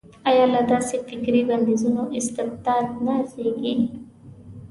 ایا له داسې فکري بندیزونو استبداد نه زېږي.